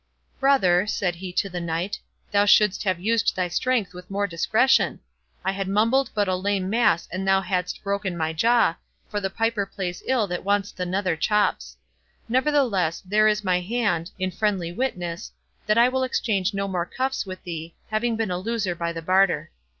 "Brother," said he to the Knight, "thou shouldst have used thy strength with more discretion. I had mumbled but a lame mass an thou hadst broken my jaw, for the piper plays ill that wants the nether chops. Nevertheless, there is my hand, in friendly witness, that I will exchange no more cuffs with thee, having been a loser by the barter.